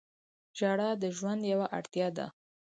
• ژړا د ژوند یوه اړتیا ده.